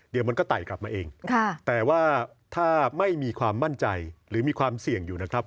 เดี๋ยวมันก็ไต่กลับมาเองแต่ว่าถ้าไม่มีความมั่นใจหรือมีความเสี่ยงอยู่นะครับ